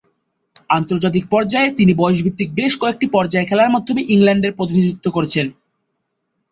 আন্তর্জাতিক পর্যায়ে, তিনি বয়সভিত্তিক বেশ কয়েকটি পর্যায়ে খেলার মাধ্যমে ইংল্যান্ডের প্রতিনিধিত্ব করেছেন।